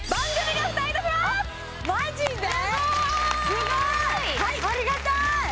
すごいありがたい！